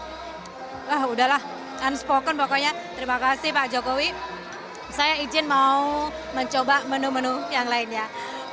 saya izin mau mencoba menu menu yang lainnya ya terima kasih pak jokowi saya izin mau mencoba menu menu yang lainnya ya terima kasih pak jokowi saya izin mau mencoba menu menu yang lainnya ya